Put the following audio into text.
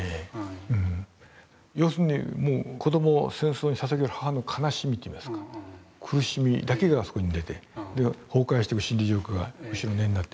要するに子どもを戦争にささげる母の悲しみといいますか苦しみだけがあそこに出て崩壊していく心理状況が後ろ。